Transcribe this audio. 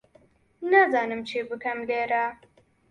نازانم چی بکەم لێرە.